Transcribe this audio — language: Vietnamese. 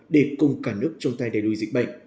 để cùng cả nước trong tay đẩy đuôi dịch bệnh